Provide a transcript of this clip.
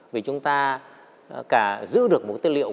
vì chúng ta cả giữ được một tên liệu